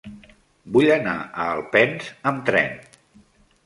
Vull anar a Alpens amb tren.